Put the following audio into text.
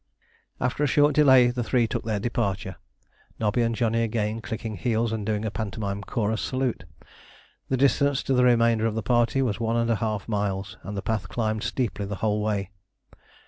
After a short delay the three took their departure, Nobby and Johnny again clicking heels and doing a pantomime chorus salute. The distance to the remainder of the party was one and a half miles, and the path climbed steeply the whole way.